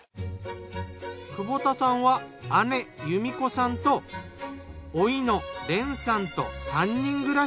久保田さんは姉由美子さんと甥の蓮さんと３人暮らし。